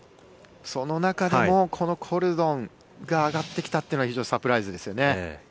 その中でもこのコルドンが上がってきたというのは非常にサプライズですよね。